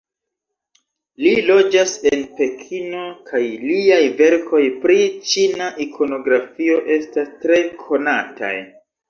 Li loĝas en Pekino kaj liaj verkoj pri ĉina ikonografio estas tre konataj.